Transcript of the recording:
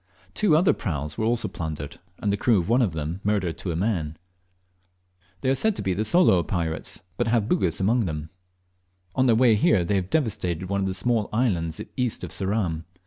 Two other prams were also plundered, and the crew of one of them murdered to a man. They are said to be Sooloo pirates, but have Bugis among them. On their way here they have devastated one of the small islands east of Ceram.